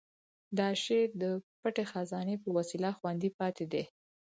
دا شعر د پټې خزانې په وسیله خوندي پاتې دی.